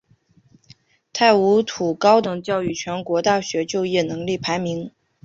泰晤士高等教育全球大学就业能力排名。